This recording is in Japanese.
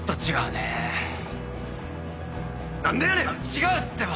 違うってば！